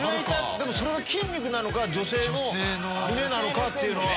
でもそれが筋肉なのか女性の胸なのかっていうのは。